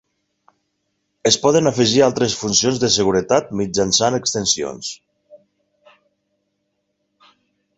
Es poden afegir altres funcions de seguretat mitjançant extensions.